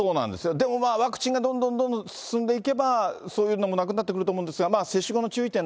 でもワクチンがどんどんどんどん進んでいけば、そういうのもなくなってくると思うんですが、接種後の注意